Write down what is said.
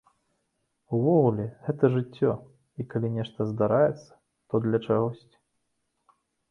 Увогуле, гэта жыццё, і калі нешта здараецца, то для чагосьці.